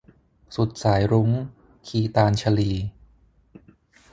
สุดสายรุ้ง - คีตาญชลี